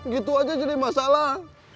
gitu aja jadi masalah